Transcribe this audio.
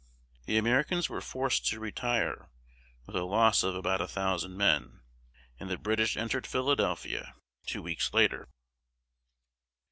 The Americans were forced to retire, with a loss of about a thousand men, and the British entered Philadelphia two weeks later.